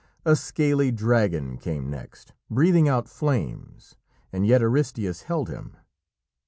A scaly dragon came next, breathing out flames, and yet Aristæus held him.